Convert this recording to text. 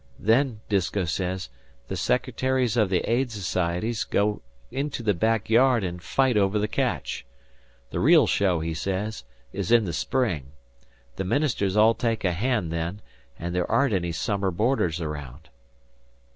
Then, Disko says, the secretaries of the Aid Societies go into the back yard and fight over the catch. The real show, he says, is in the spring. The ministers all take a hand then, and there aren't any summer boarders around."